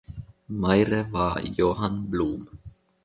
Maire war Johann Blum.